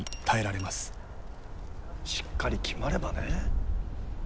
しっかり決まればね。